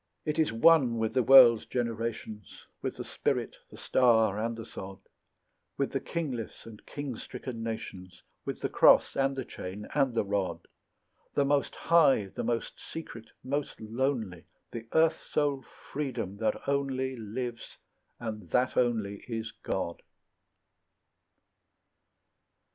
It is one with the world's generations, With the spirit, the star, and the sod; With the kingless and king stricken nations, With the cross, and the chain, and the rod; The most high, the most secret, most lonely, The earth soul Freedom, that only Lives, and that only is God.